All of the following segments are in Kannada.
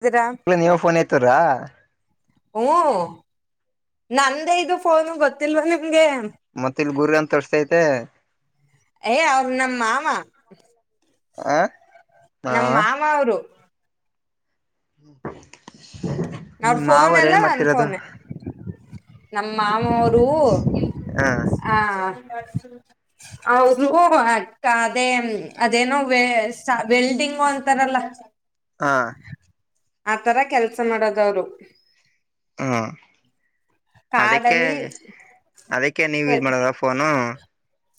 ಇದೀರಾ ಹಲ ನೀವ ಫೋನ್ ಎತ್ತರ. ಹ್ಮಞ ನಂದೇ ಇದು ಫೋನು ಗೊತ್ತಿಲ್ವಾ ನಿಮ್ಗೆ. ಮತ್ತ ಇಲ್ ಗುರು ಅಂತ ತೋರಿಸಸ್ತೈತೆ. ಏ ಅವ್ ನಮ್ಮ ಮಾಮ. ಆ ಹ ನಮ್ಮ ಮಾಮ ಅವರು. ಹ್ಮ ಅವ್ರ ಹ್ಮ ಫೋನ್ ಮಾವರು ಏನ್ ಮಾಡ್ತಿರೋದು. ನಮ್ಮ ಮಾಮ ಅವ್ರು ಹ ಹಾ. ಹ ಅದೇ ಅದೇನೋ ವಲ್ಡಿಂಗ್ ಒ ಹತಾರಲ್ಲ. ಹಾ ಆತರ ಕೆಲ್ಸ ಮಾಡೋದವ್ರು. ಹಾ ಅದಕ್ಕೆ ಕಾಡಲ್ಲಿ ಅದಕ್ಕೆ ನೀವ ಯೂಸ್ ಮಾಡದ ಫೋನು.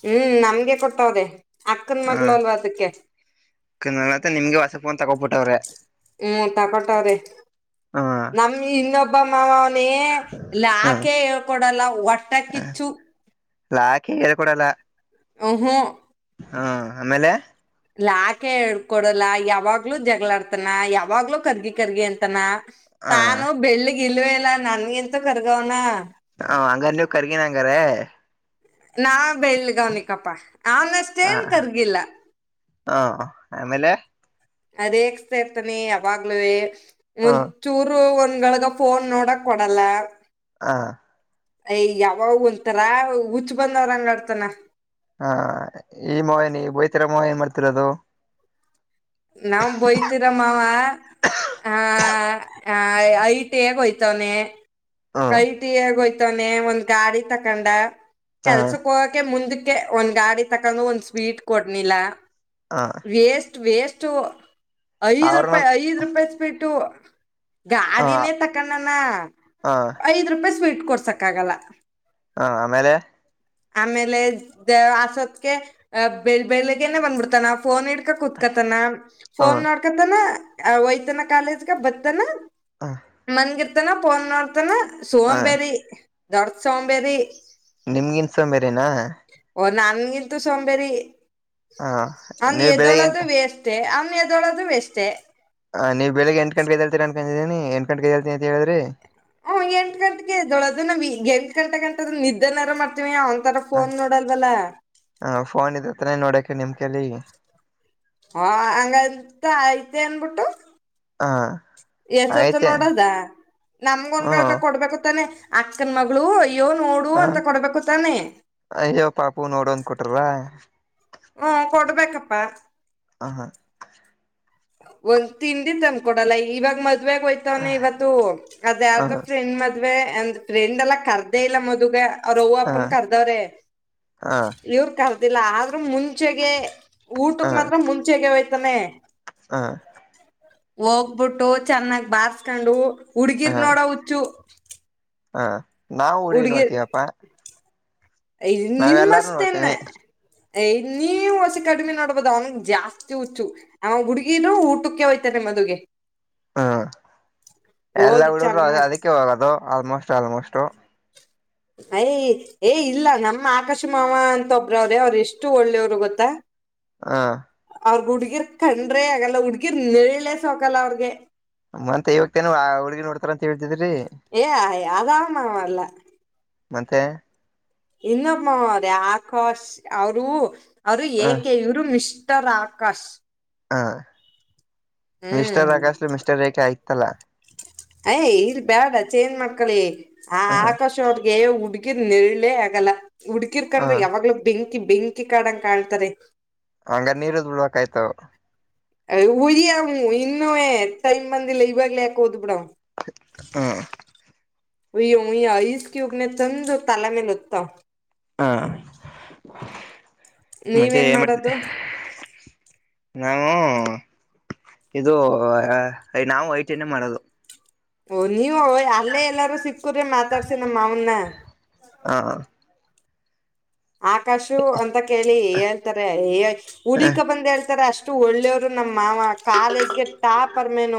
ಹ್ಮ್ ನಮಗೆ ಕೊಟ್ಟಾವದೆ ಅಕ್ಕನ್ ಮಗಳು ಅಲ್ವಾ ಅದಕ್ಕೆ. ತ ನಿಮ್ಗೆ ವಸಪೋನ್ ತಗೋಬಿಟ್ಟವ್ರೆ. ಹ ನಮಗೆ ಇನ್ನೊಬ್ಬ. ನ ಅವನೇ ಇ ಹ ಯಾಕೆ ಹೇಳ್ಕೊಡಲ್ಲ ವಟ್ಟಕ್ಕಿಚ್ಚು. ಲಾಕ್ ಹೇಳ್ ಕೊಡಲ್ಲ. ಹ್ಮ್ ಹು. ಹಾ ಆಮೇಲೆ. ಲಾಕೆ ಹೇಳ್ ಕೊಡಲ್ಲ, ಯಾವಾಗ್ಲೂ ಜಗಳಾಡ್ತನ, ಯಾವಾಗ್ಲೂ ಕರ್ಗಿ ಕರ್ಗಿ ಅಂತನ. ಹ ತಾನು ಬೆಳ್ಳಿಗ್ ಇಲ್ವೇ ಇಲ್ಲ ನನ್ಗಿಂತೂ ಕರ್ಗವನ. ಹಾ ಹಂಗಾರ್ ನೀವು ಕರ್ಗಿನ ಹಂಗಾರೆ. ನಾ ಬೆಳ್ಗನಿಕಪ್ಪಾ ಅವನಷ್ಟೇನ್ ಕರ್ಗಿಲ್ಲ. ಹಾ ಆಮೇಲೆ. ರೆಕ್ಸ್ತ್ ಇರ್ತಾನಿ ಯಾವಾಗ್ಲೂವೆ ಹ ಒಂದ್ ಚೂರು ಒಂದ ನಿಗಳಗ ಫೋನ್ ನೋಡಕ್ ಕೊಡಲ್ಲ. ಹಾ. ಅಯ ಯಾವ ಒಥರಾ ಹುಚ್ಚು ಬಂದವ್ರ ಹಂಗಾಡ್ತಾನ. ಹಾ ಈ ಮಾವನ ಬೋಯ್ತರ ಮಾವ ಏನ್ ಮಾಡ್ತಿರದು. ನಾವ್ ಬಯತಿರೋ ಮಾವ, ಹ ಐಟ್ ಹೇಗೋಯ್ತವನೆ. ಹ್ಮ ಐಟಿಯ ಹೋಯ್ತವಾನೆ ಒಂದ್ ಗಾಡಿ ತಕೊಂಡ. ಹ ಕೆಲ್ಸಕ್ ಹೋಗಕೆ ಮುಂದಕ್ಕೆ, ಕೆ ಒಂದ್ ಗಾಡಿ ತಕೊಂಡ ಒಂದ್ ಸ್ವೀಟ್ ಕೊಡ್ನಿಲ್ಲ. ಹ ವೇಸ್ಟ್, ವೇಸ್ಟ್ ಸ್ಟು ಐದ್ ರೂಪಾಯಿ ಅವ್ರನ್ನ ಐದ್ ರೂಪಾಯಿ ಸ್ವೀಟು. ಹ ಗಾದಿನೇ ತಕಣನ ಹಾ ಐದ್ ರೂಪಾಯಿ ಸ್ವೀಟ್ ಕೊಡ್ಸಕ್ ಆಗಲ್ಲ. ಹಾ ಆಮೇಲೆ, ಆಮೇಲೆ ಆಸೋತ್ಗೆ ಬೆ ಬೆಳಗ್ಗೆನೆ ಬಂದ್ಬಿಡ್ತ ನಾ ಫೋನ್ ಇಡ್ ಕುೂತ್ಕತನ, ಹ ಫೋನ್ ನೋಡ್ಕತನ, ಒಯ್ತಾನ, ಕಾಲೇಜ್ಗ ಬತಾನ, ಹ ಮನ್ಗಿರ್ತಾನ, ಫೋನ್ ನೋಡ್ತಾನ, ಹ ಸೋಂಬೇರಿ. ದೊಡ್ಡ ಸೋಬೆರಿ. ನಿಂಗಿನ ಸೋಂಬೇರಿನಾ. ನನ್ಗಿಲ್ಂತು ಸೋಂಬೇರಿ ಹ ಅವಂಗ ನೀವ್ ಬೆಳಿಗ್ಗೆ ಎಂಟ ಎದೋಳದು ವೆಸ್ಟ್. ಎದ್ದೇಳುದು ವೇಸ್ಟ್. ಹಾ ನೀವ ಬೆಳಗ್ ಎಂಟ್ ಗಂಟೆಗೆದೇತೀರ ಅನ್ಕೊಂಡಿದ್ದೀನಿ ಎಂಟ್ ಗಂಟೆಗೆದೇಳ್ತನಿಂತ ಹೇಳ್ರಿ. ಹ್ ಎಂಟ ಗಂಟೆಗೆ ಎದ್ದೇಳೋದು ಎಂಟ ಗಂಟೆ ಗಂಟದ ನಿದ್ದನಾರು ಮಾಡ್ತೀನಿ. ತಾರ ಹ ಪೋನ್ ನೋಡಲ್ವಲ್ಲ. ಹ ಫೋನ್ ಇದ ತಾನೆ ನೋಡಕ ನಿಮ್ ಕೈಲಿ ಹಾ ಹಂಗಂತ ಆಐ್ತ ಅನ್ಬಿಟ್ಟು. ಹ ಎಸ್ಟತ್ತು ಆಯ್ತೆ ನೋಡದಾ ನಮಗ ಒನ್ಗಳಕ ಹ್ಮ್ ಕೊಡ್ಬೇಕತ್ತಾನೆ. ಅಕ್ಕನ್ ಮಗಳು ಅಯ್ಯೋ ನೋಡು ಹ ಅಂತ ಕೊಡ್ಬೇಕು ತಾನೆ. ಅಯ್ಯೋ ಪಾಪು ನೋಡೋಂದ ಕೊಟ್ರಲ್ಲ ಹ್ಮ್ ಕೊಡ್ಬೇಕಪ್ಪ ಹಾ. ಒಂದ್ ತಿಂಡಿ ತಂಡ್ಕೋದಲ್ಲ ಇವಾಗ ಮ ಮದ್ವೆಗೆ ಹೋಯ್ತವನೇ ಇವತ್ತು ಅದ ಯಾರ್ದು ಹ ಫ್ರೆಂಡ್ ಮದ ಮದುವೆ ಅಂದ್ ಫ್ರೆಂಡ್ ಎಲ್ಲ ಕರ್ದೇ ಇಲ್ಲ ಮದುಗ. ಅವ್ರ ಅವ್ವ ಹ ಅಪ್ಪ ನಾ ಕರ್ದವ್ರೆ, ಹ ಇವರು ಕರದಿಲ್ಲ ಹ ಮುಂಚೆಗೆ ಊಟಕ್ ಮಾತ್ರ ಮುಂಚೆಗೆ ಹೋಯ್ತಾನೆ. ಹಾ, ಹೋಗ್ಬಿಟ್ಟು ಚೆನ್ನಾಗ್ ಬಾರ್ಸ್ಕೊಂಡು ಹುಡ್ಗಿರ್ ನೋಡ ಹುಚ್ಚು ಹಾ ನಾವವು ಹುಡುಗಿ ನೋಡ್ತೀವಪ್ಪಾ. ನಾವ್ ಎಲ್ಲಾರೂ ನಿಮ್ಮಷ್ಟೇನ್ನ, ನೋಡ್ತೀವಿ ಯ ನೀ ವಸಿ ಕಡಿಮೆ ನೋಡ್ಬದು ಅವನ ಜಾಸ್ತಿ ಹುಚ್ಚು ಅವಾಗ ಹುಡುಗೀನು ಊಟಕ್ಕೆ ಹೋತಾನೆ ಮ ಮದುಗೆ. ಹ್ಮ ಎಲ್ಲ ಹೋಗಿ ಹುಡುಗರು ಚೆನ್ನ ಅದಕ್ಕೆ ಹೋಗದು. ಆಲ್ಮೋಸ್ಟ್, ಆಲ್ಮೋಸ್ಟ್, ಅಯ ಏ ಇಲ್ಲ ನಮ್ಮ ಆಕಾಶ ಮಾವ ಅಂತೊಬ್ರವ್ರೇ ಅವ್ರ ಎಷ್ಟು ಒಳ್ಳೆಯವರು ಗೊತ್ತಾ. ಹಾ, ಅವ್ರಗ್ ಹುಡ್ಗಿರ್ ಕಂಡ್ರೆ ಆಗಲ್ಲ ಹುಡ್ಗಿರ್ ನೇರಳೆ ಸೊಕಲ್ಲ ಅವ್ರಗೆ ಮತ್ತ ಇವಾಗತೇನು ಆ ಹುಡುಗಿ ನೋಡ್ತಾರಂತ ಹೇಳ್ತಿದ್ರಿ ಏ ಅದಾವ ಮಾ ಮರ್ಲ್ಲ ಮತ್ತೆ ಇನ್ನೊಪ್ಪೆ ಆಕಾಶ್ ಅವರು ಅವರು ಹ ಏಕೆ ಇವರು ಮಿಶ ಉ ತರಾಕಸ್ ಹಾ ಮಿಸ್ಟರ್ ಹ್ಮ್ ರಕಶಲು ಮಿಸ್ಟರ್ ರೇಖೆ ಆಯತಲ್ಲ ಯ್ ಇಲ್ ಬ್ಯಾಡ ಚೇನ್ ಮಾಡ್ಕಳಿ ಆ ಹ ಆಕಾಶ ಅವರಗೆ ಹುಡ್ಗಿರ್ ನೇರಳೆ ಆಗಲ್ಲ ಹ ಹುಡ್ಗಿರ್ಕಂಡ್ರ ಯಾವಾಗ್ಲೂ ಬೆಂಕಿ ಬೆಂಕಿ ಕಡಂಗ ಕಾಣತಾರೆ ಹಂಗ ನೀರುದ್ ಬಿಡ್ಬೇಕಯ್ತವ ಉರಿ ಇನ್ನುೂ ಟೈಮ್ ಬಂದಿಲ ಕುಯ್ದು ಬಿಡ ಹ ಉ ಉಯ ಐಸ್ ಕ್ಯೂಬ್ ತಂದ ತಲೆ ಮೇಲೆ ಒತ್ತ ಹಾ ಮತ್ತೆ ನೀವೇನ್ ಏನ ಮಾಡ್ತ ಮಾಡೋದು ನವು ಇದು ನಾವು ಯೋಚನೆ ಮಾಡದು ಫೋನ್ ನೀವು ಅವ ಅಲ್ಲೇ ಎಲ್ಲಾರೂ ಸಿಕ್ಕ್ರೆ ಮಾತಾಡ್ಸ ನಮ್ಮ ಮಾವನ್ನ. ಹ ಆಕಾಶು ಅಂತ ಕೇಳಿ ಹೇಳ್ತಾರೆ ಹುಡಿಕ ಬಂದ ಹೇಳ್ತಾರೆ ಅಷ್ಟು ಒಳ್ಳೆಯವರು ನಮ್ಮ್ ಮಾವ ಕಾಲೇಜ್ಗೆ ಟಾಪರ್ ಮ್ಯಾನ್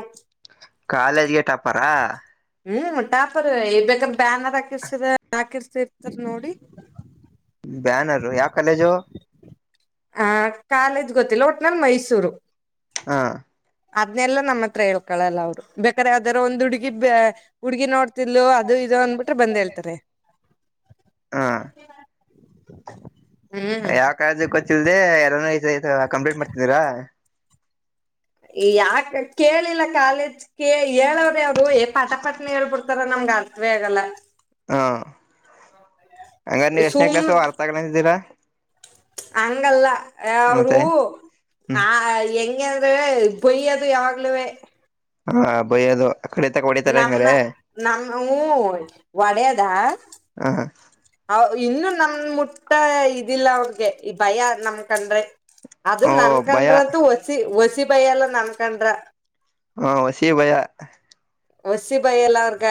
ಕಾಲೇಜ್ಗೆ ಟಾಪರಾ ಹ್ಮ್ ಟಾಪರ್ ಬೇಕ ಬ್ಯಾನರ್ ಹಾಕಿರ್ಸಿದ ಹಾಕಿಸಿರಾತಿರ್ ನೋಡಿ ಬ್ಯಾನರು ಯಾವ ಕಾಲೇಜು ಆ ಕಾಲೇಜ್ ಗೊತ್ತಿಲ್ಲ ಒಟ್ಟ ನಂದ ಮೈಸೂರು ಹಾ ಅದ್ನೆಲ್ಲಾ ನಮ್ಮ ಹತ್ರ ಹೇಳ್ಕೊಳ್ಳಲ್ಲ ಅವ್ರು ಬೇಕಾರೆ ಯಾವದಾರೂ ಒಂದ್ ಹುಡುಗಿ ಹುಡ್ಗಿ ನೋಡ್ತಿದ್ಲು ಅದು ಇದ ಅಂದ್ಬಿಟ್ರೆ ಬಂದ್ ಹೇಳ್ತಾರೆ ಹ ಹ್ [inaudible] ಯಾವ ಕಾಲೇಜ ಕೋಚ್ ಇಲದೆ ಎರನ ಐ ಕಂಪ್ಲೀಟ್ ಮಾಡ್ತಿದೀರಾ ಯಾಕ ಕೇಳಿಲ್ಲ ಕಾಲೇಜ್ ಕ ಹೇಳೋರ ಅವ್ರು ಏ ಪಟ ಪಟ್ನ ಹೇಳ್ಬಿಡ್ತಾರ ನಮ್ ಅರ್ಥವೇ ಆಗಲ್ಲ ಹಾ ಹಂಗರ ನೀವು ಎಷ್ಟನೇ ಸುಮ್ ಕ್ಲಸ್ ಅರ್ಥ ಆಗಲ್ಲ ಅಂತಿದೀರಾ ಹಂಗಲ್ಲ ಅವರು ಹ್ಮ್ ಆ ಎಂಗ ಆದ್ರೆ ಬಯ್ಯ ಅದು ಯಾವಾಗಲೂವೆ ಹಾ ಬೈಯೋದು ನಮ್ಮನ್ ನಮ್ಮ ಹಊ ಹೊಡೆದ ಹ ಹಾ ಇನ್ನು ನಮ ಮುಟ್ಟ ಇದಿಲ್ಲ ಅವ್ರಿಗೆ ಈ ಭಯ ನಮ ಕಂಡ್ರೆ ಅದ ಓ ಭಯ ನನ್ಕಂಡ್ರಂತೂ ವಸಿ ವಸಿ ಭಯ ಎಲ್ಲ ನಮಕಂಡ್ರ ಹಾ ವಸೀ ಭಯ ವಸಿ ಭಯ ಇಲ್ಲ ಅವರೀಗ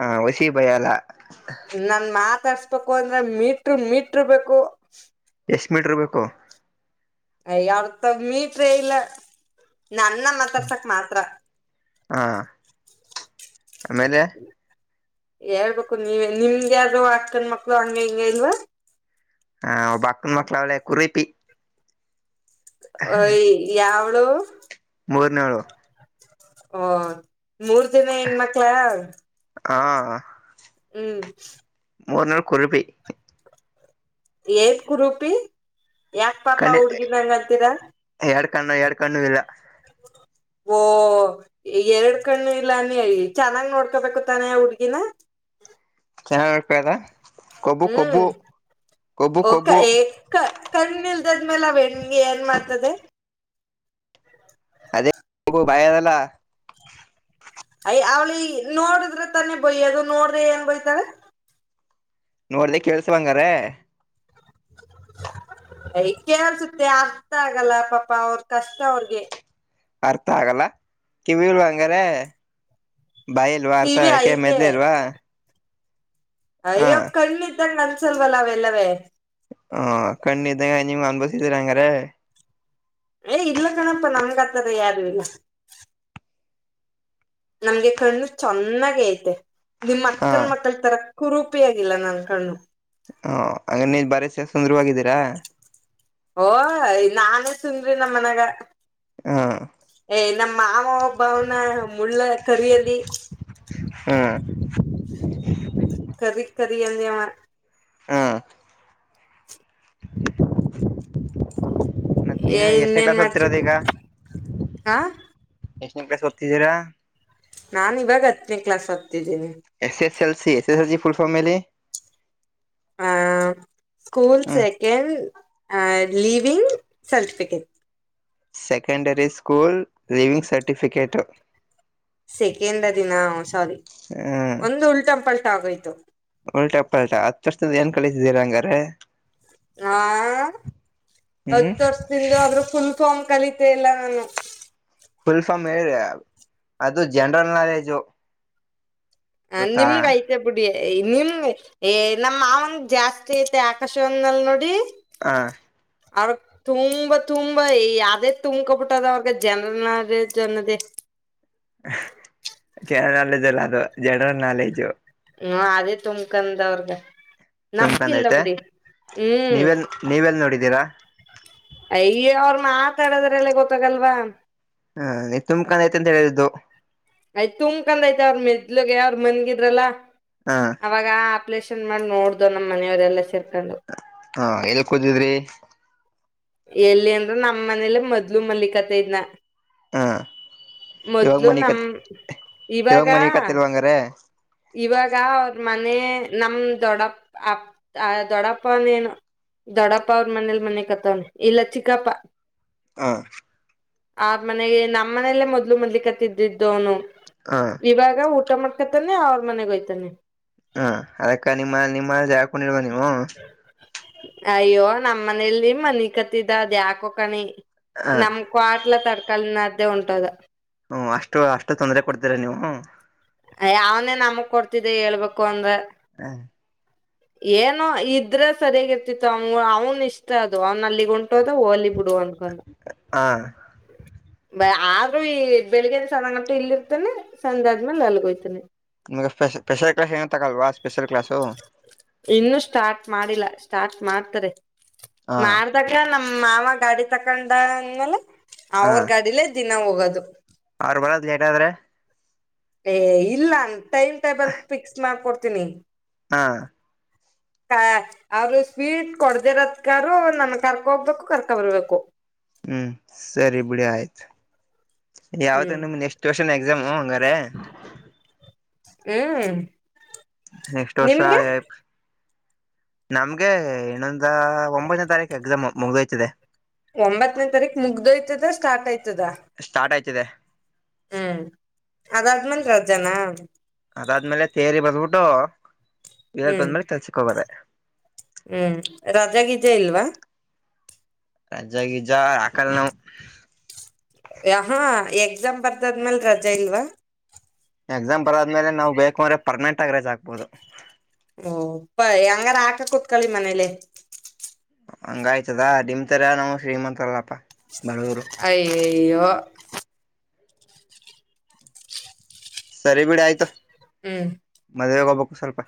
ಹಾ ವಸಿ ಬಯಲ್ಲ ನನ್ ಮಾತಾಡ್ಸ್ಬೇಕು ಅಂದ್ರೆ ಮೀಟ್ರು ಮೀಟ್ರು ಬೇಕು ಎಷ್ಟು ಮೀಟರ್ ಬೇಕು ಅಯ ಯಾವತ ಮೀಟ್ರೆ ಇಲ್ಲ ನ ಅನ್ನ ಮಾತಾಡ್ಸಕ್ ಮಾತ್ರ ಹಾ ಆಮೇಲೆ ಹೇಳ್ಬೇಕು ನೀವ ನಿಮ್ಗೆ ಆದರೂ ಹತ್ತ ಗಂಡ ಮಕ್ಳು ಹಂಗ ಹಿಂಗೆ ಇಲ್ವಾ ಹಾ ಒಬ್ಬ ಅಕ್ಕನ ಮಕ್ಳಾವಳೆ ಕುರಿಪಿ ಯ್ ಯಾವಳು ಮೂರನೇ ಅವಳು ಓ ಮೂರ್ ಜನ ಹೆಣ್ಮಕ್ಳ ಹಾ ಹ್ಮ್ ಮೂರುನಾಲ್ ಕುರಿಪಿ ಎತ್ ಕುುರಪಿ ಯಾಕ ಪಾಪ ಕಣ್ಣಿ ಹುಡ್ಗಿ ಹಿಂಗಂತೀರಾ ಎರಡ್ ಕಣ್ಣು ಎರಡ್ ಕಣ್ಣು ಇಲ್ಲ ಓ ಎರಡ್ ಕಣ್ಣು ಇಲ್ಲ ನೀ ಚೆನ್ನಾಗ್ ನೋಡ್ಕೊಬೇಕು ತಾನೆ ಹುಡ್ಗಿನ ಚೆನ್ನಾಗ್ ನೋಡ್ಕದ ಕೊಬ್ಬು ಕೊಬ್ಬು ಹ್ಮ್ ಕೊಬ್ಬು ಒ ಕೊಬ್ಬು ಕಣ್ಣಲ್ ಇದಾದ್ಮೇಲೆ ಅವೆಣ ಏನ್ ಮಾಡ್ತದೆ ಅದೇ ಹು ಭಯ ಅದಲ್ಲ ಅಯ ಅವ್ಳಿ ನೋಡಿದ್ರೆ ತಾನೆ ಬಯ ಅದು ನೋಡ್ರೆ ಹೆಂಗ ಬಯ್ತಾರೆ ನೋಡ್ದ ಕೇಳ್ಸಂಗಾರ ಹಾಯ್ ಯ ಕೇಳ್ಸುತ್ತೆ ಅರ್ಥ ಆಗಲ್ಲ ಪಾಪ ಅವ್ರ ಕಷ್ಟ ಅವ್ರಿಗೆ ಅರ್ಥ ಆಗಲ್ಲ ಕಿವೀಳುವ ಹಂಗಾರೆ ಬಾಯ ಇಲ್ವಾ ಅರ್ಥ ಕಿವಿ ಯಾಕೆ ಮೆದ್ಲಿ ಇಲ್ವಾ ಹ ಅಯವಾಗ ಕಣ್ಣಿತಂಗ ಅನ್ಸಲ್ವಲ್ಲ ಅವೆಲ್ಲವೇ ಹಾ ಕಣ್ಣಿದ್ದಾಗ ನಿಮ್ ಅನ್ಭಸಿದ್ದೀರಾ ಹಂಗ್ರ ಏ ಇಲ್ಲ ಕಣಪ್ಪ ನಮಗತ್ತಾರ ಯಾರು ಇಲ್ಲ ನಮ್ಗೆ ಕಣ್ಣು ಚೆನ್ನಾಗ ಐತೆ ನಿಮ ಹ ಅಕ್ಕನ್ ಮಕ್ಕಳತರ ಕುರೂಪಿ ಆಗಿಲ್ಲ ನನ್ ಕಣ್ಣು ಹ ಹಂಗ ನೀ ಬಾರಿ ಸ ಸುಂದ್ರವಾಗಿದ್ದೀರಾ ಓ ನಾನೇ ಸುಂದ್ರಿ ನಮ್ಮ ಮನ್ಾಗ ಹಾ ನಮ್ಮ ಮಾವ ಒಬ್ಬ ಅವನ ಮುಳ್ಳ ಕರಿಿಯಲ್ಲಿ ಜೋಕ್ ಕರಿರಿ ಅೆವ ಹಾ ಬಾ ಮತ್ತೆ ನೀವ ಏ ಎಷ್ಟನೇ ಇನ್ನೇನ್ ಕ್ಲಾಸ್ ಓದ್ತಿರೋದು ಮಾಡ್ತಿದ್ದೆ ಈಗ ಹಾ ಷಲ್ ಕ್ ತಿದ್ದೀರಾ ನಾನ್ ಇವಾಗ ಹತ್ತಿನಿ ಕ್ಲಾಸ್ ಹತ್ತ S S L C S S L ಸಿುಲ್ಫಲಿ ಆ ಸ್ಕೂಲ್ ಹ್ಮ ಸೆಕೆಂಡ್ ಆ ಲೀವಿಂಗ್ ಸೆಲ್ಫಫ ಹ secondary school leaving certificate second ದಿನ ಸಾರಿ ಒಂದು ಉಲ್ಟಂಪಲ್ಟ ಆಗೋಯ್ತು ಉಲ್ಟಾಪ್ಪ ಉಲ್ಟಾ ಹತ್ತು ವರ್ಷದ ಏನ್ ಕಳಿಸಿದ್ದೀರಾ ಹಂಗಾರ ಹಾ ಹ್ಮ್ ಹತ್ತು ವರ್ಷದಿಂದ ಆದ್ರ ಫುಲ್ ಫಾರ್ಮ್ ಕಲಿತೆ ಎಲ್ಲ ನಾನು ಫುಲ್ ಫಾಮ್ ಹೇಳ ಅದು ಜನರಲ್ ನಾಲೆಜು ಹ ಗೊತ್ತಾ ನಿಮ್ಗಯತೆ ಬಿುಡಿಿಯ ನಿಮ ನಮ್ ಮಾವನ್ ಜಾಸ್ತಿ ಐತೆ ಆಕಾಶವಂದಲ್ ನೋಡಿ ಹಾ ಅವ್ರಗ್ ತುಂಬಾ ತುಂಬಾ ಯಾವ್ದೇ ತುಂಬ್ಕೊಬಿಟ್ಟದ ಅವ್ರಗ ಜನರ ನ ಅನ್ನದೇ ಯೌರ್ಟ್ [inaudible] ಕೆ ನಾಲೆಜ್ ಎಲ್ಲ ಅದು ಜನರಲ್ ನಾಲೆಜು ಹ್ಮ ಅದೇ ತುಂಬಕಂದವ್ರಗ ನಂಬಿಕೆ ತುಂಬ್ಕೊಂಡೈತೆ ಇಲ್ಲಪಡಿ ಹ್ಮ್ ನೀವೆಲ್ ನೀವೆಲ್ ನೋಡಿದ್ದೀರಾ ಅಯ್ಯ ಅವ್ರ ಮಾತಾಡದ್ರ ಎಲ್ಲ ಗೊತ್ತಾಗಲ್ವಾ ಹಾ ನೀ ತುಂಬ್ಕಾನಐತೆ ಅಂತ ಹೇಳಿದ್ದು ಆಯ್ತತ್ ತುಂಬಕಂದ ಆಯತ ಅವ್ರ ಮೆದ್ಲುಗೆ ಅವ್ರ ಮನ್ಗಿದ್ರಲ್ಲ ಹ ಅವಾಗ ಆ ಪ್ಲೇಸ್ ಮಾಡ ನೋಡ್ದ್ ನಮ್ಮ ಮನವರೆಲ್ಲ ಸ ಹಾ ಎಲ್ಲಿ ಕೂುದಿದ್ರಿ ಎಲ್ಲಿ ಅಂದ್ರ ನಮ್ಮ್ ಮನೇಲೆ ಮೊದ್ಲು ಮಲ್ಲಿಕತೆ ಇದನ ಹ ಇವಾಗ ಮೊದ್ಲು ಮನಿ ನಮ ಕತ್ ಇವಾಗ ಮನಿ ಕತ್ತಿಲ್ವಂಗಾರೆ ಇವಾಗ ಅವ ಮನೆ ನಮ ದೊಡ್ಡ ಅ ಆ ದೊಡ್ಡಪ್ಪನ ಏನು ದೊಡ್ಡಪ್ಪ ಅವ್ರ ಮನೇಲಿ ಮನೆ ಕತ್ತವನಿ ಇಲ್ಲ ಚಿಕ್ಕಪ್ಪ ಹ ಆ ಮನೆಗೆ ನಮ್ಮ್ ಮನೆಯಲ್ಲೇ ಮೊದ್ಲು ಮೊದ್ಲಿ ಕತ್ತಿದ್ದಿದ್ದವನು ಹ ಇವಾಗ ಊಟ ಮಾಡ್ಕತಾನೇೆ ಅವ್ರ ಮನೆಗೋಗಯ್ತಾನನೆ ಹಾ ಅದಕ್ಕ ನಿಮ್ಮ ನಿಮ್ಮೆ ಹಾಕೊಂಡಿರ್ವಾ ನೀವು ಅಯ್ಯೋ ನಮ ಮನೇಲಿ ಮನ ಕತ್ತಿದ ಅದ ಯಾಕೋಕಣಿ ನಮ್ ಕ್ವಾಟ್ಲ ತರಕಲ್ನ್ದೇ ಉಂಟದ ಹ್ಮ ಅಷ್ಟು ಅಷ್ಟು ತೊಂದರೆ ಕೊಡ್ತೀರಾ ನೀವು ಯಾವನೇ ನಮಗ್ ಕೊಡ್ತಿದ್ದ ಹೇಳ್ಬೇಕು ಅಂದ್ರ ಹ ಏನೋ ಇದ್ರ ಸರಿಯಾಗಿ ಇರ್ತಿತ್ತು ಅವನ್ ಅವ್ನ್ ಇಷ್ಟ ಅದು ಅವ್ನ ಅಲ್ಲಿಗ ಉಂಟೋದ ಹೋಲಿ ಕೊಡುವನ್ಕಲ್ಲ ಹ [unintelligible] ಬ ಆದ್ರೂ ಈ ಬೆಳಿಗ್ನ ಸಣಣಟು ಇಲ್ಲಿ ಇರ್ತಾನನೆ ಸಂಜೆ ಆದ್ಮೇಲೆ ಅಲ್ಲಿಗೋಯ್ತಾನೆ ನಿಮಗೆ ಸ್ಪ ಸ್ಪೆಷಲ್ ಕ್ಲಾಸ್ ಹೆಂಗ ತಗಲ್ವಾ ಸ್ಪೆಷಲ್ ಕ್ಲಾಸು ಇನ್ನು ಸ್ಟಾರ್ಟ್ ಮಾಡಿಲ್ಲ ಸ್ಟಾರ್ಟ್ ಮಾಡ್ತಾರೆ ಹ ಮಾಡ್ದಾಗ ನಮ್ಮ ಮಾವ ಗಾಡಿ ತಕೊಂಡ ಅಂದ್ಮೇಲೆ ಅವ್ರ ಗಾಡಿಯಲ್ಲಿ ದಿನ ಹೋಗೋದು ಅವ್ರ ಬರೊದ್ ಲೇಟ್ ಆದ್ರೆ ಏ ಇಲ್ಲ ಟೈಮ್ ಟೇಬಲ್ ಫಿಕ್ಸ್ ಮಾಡ್ಕೊಡ್ತೀನಿ ಹಾ ಹ [inaudible] ಅವರು ಸ್ವೀಟ್ ಕೊಡ್ದಿರತ್ಕ ನಮ ಕರ್ಕ ಹೋಗ್ಬೇಕು ಕರ್ಕೊ ಬರ್ಬೇಕು ಹ್ಮ್ ಸರಿ ಬಿಡಿ ಆಯ್ತು ಹ್ಮ್ ಯಾವತ್ಮ ನೆಕ್ಸ್ಟ್ ಕೂರ್ಷನ್ ಆ ಾಮಂಗಾರೆ [unintelligible] ಹ್ಮ್ ನೆಕ್ಸ್ಟ್ ವರ್ಷ ನಿಮ್ಗೆ ನಮ್ಗೆ ಏನೊ ಹಾಒಂಬತ್ತನೇ ತಾರೀಕು ಎಕ್ಸಾಮ್ ಮುಗುವಯತಿದೆ ಒಂಬತ್ತನೇ ತಾರೀುಕ್ ಮುಗ್ದಯ್ತದ ಸಾರ್ಟ್ ಆಯ್ತ ಸ್ಟಾರ್ಟ್ ಆಯ್ತಿದೆ ಹ್ಮ್ ಅದಾದ್ಮೇಲೆ ರಜನ ಅದಾದ್ಮೇಲೆ ತೇರಿ ಬರ್ಬಿಟ್ಟು ಇಲ್ ಹ್ಮ್ ಬಂದ್ಮೇಲೆ ಕೆಲ್ಸಕ್ ಹೋಗೋದೆ ಹ್ಮ್ ರಾ ಗೀಜೆ ಇಲ್ವಾ ರಜಾಗಿಜ ಆಕಲ್ಲ ನಾವು ಯಕಾ ಎಕ್ಸಾಮ್ ಬರ್ದ ಆದ್ಮೇಲ್ ರಜಾ ಇಲ್ವಾ ಎಕ್ಸಾಮ್ ಬರೋದ್ಮೇಲೆ ನಾವು ಬೇಕು ಅಂದ್ರೆ ಪರ್ಮನೆಂಟ್ ಆಗ ರೇಜ್ ಆಗ್ಬೋದು ಓ ಪ್ಪಹೆಂಗಾರ ಹಾಕ ಕುೂತ್ಕಳಿ ಮನೇಲೆ ಹಂಗ ಆಯ್ತದ ನಿಮ್ರ ನಮ್ ಶ್ರೀಮಂತರದಪ್ಪ ಅಯಯ್ಯೋ ಸರಿ ಬಿಡಿ ಆಯ್ತು. ಹ್ಮ್. ಮದುವೆ ಹೋಗಬೇಕು ಸ್ವಲ್ಪ